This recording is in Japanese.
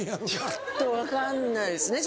ちょっと分かんないですね。